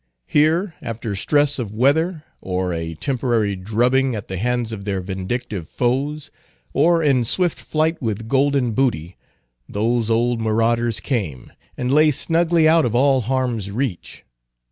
Here, after stress of weather, or a temporary drubbing at the hands of their vindictive foes, or in swift flight with golden booty, those old marauders came, and lay snugly out of all harm's reach.